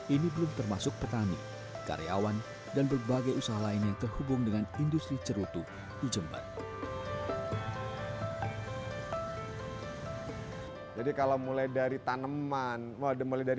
ini belum termasuk petani karyawan dan berbagai usaha lain yang terhubung dengan industri cerutu di jember